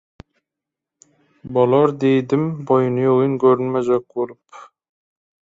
„bolar“ diýdim boýnyýogyn görünmejek bolup